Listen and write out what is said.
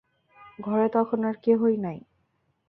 ঘরে তখন আর কেহই নাই।